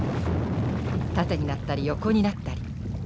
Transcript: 縦になったり横になったり。